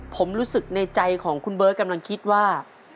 ผมรู้สึกในใจของคุณเบิร์ตกำลังคิดว่า